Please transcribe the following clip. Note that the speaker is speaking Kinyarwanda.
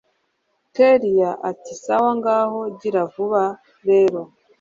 kellia ati sawa ngaho gira vuba rero